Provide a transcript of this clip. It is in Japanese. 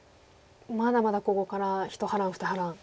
まだまだここから一波乱二波乱。